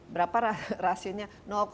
berapa rasionya satu